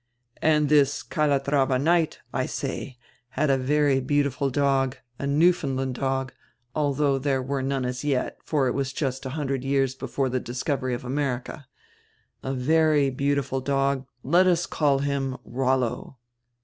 "And this Calatrava knight, I say, had a very beautiful dog, a Newfoundland dog, although there were none as yet, for it was just a hundred years before die discovery of America. A very beautiful dog, let us call him Rollo."